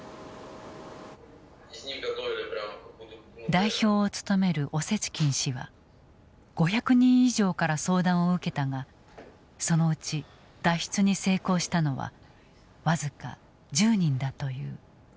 代表を務めるオセチキン氏は５００人以上から相談を受けたがそのうち脱出に成功したのは僅か１０人だという。